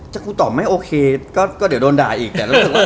จากคุณออกไม่โอเคก็เดี๋ยวโดนด่ายอีก